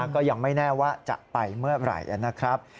ก็ยังไม่แน่ว่าจะไปเมื่อไหร่นะครับ